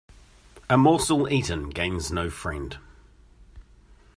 A morsel eaten gains no friend.